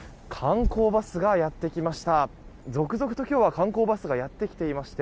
観光バスがやってきました。